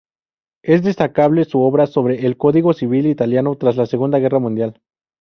Es destacable su obra sobre el código civil italiano tras la Segunda Guerra Mundial.